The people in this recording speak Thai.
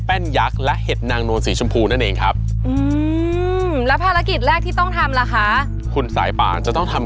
เราถามเชฟก่อนดีไหม